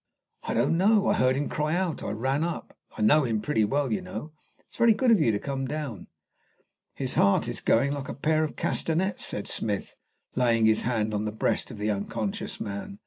"I don't know. I heard him cry out. I ran up. I know him pretty well, you know. It is very good of you to come down." "His heart is going like a pair of castanets," said Smith, laying his hand on the breast of the unconscious man.